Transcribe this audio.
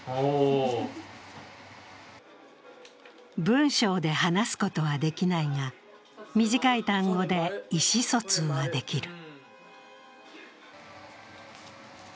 文章で話すことはできないが短い単語で意思疎通はできる。